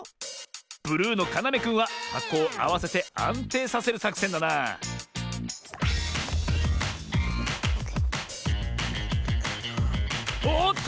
ブルーのかなめくんははこをあわせてあんていさせるさくせんだなおおっと！